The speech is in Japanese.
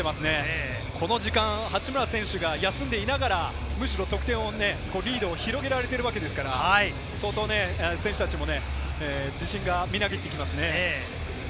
この時間、八村選手が休んでいながら、むしろ得点、リードを広げているわけですから、相当選手たちも自信がみなぎってきますね。